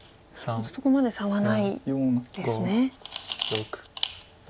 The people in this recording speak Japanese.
そこまで差はないんですね。